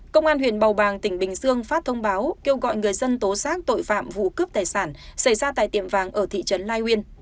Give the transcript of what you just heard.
công an huyện bầu bàng tỉnh bình dương phát thông báo kêu gọi người dân tố xác tội phạm vụ cướp tài sản xảy ra tại tiệm vàng ở thị trấn lai uyên